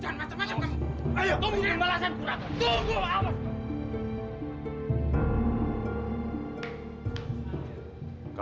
jangan macam macam kamu